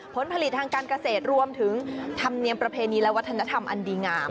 ผลผลิตทางการเกษตรรวมถึงธรรมเนียมประเพณีและวัฒนธรรมอันดีงาม